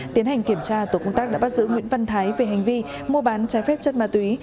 tiến hành kiểm tra tổ công tác đã bắt giữ nguyễn văn thái về hành vi mua bán trái phép chất ma túy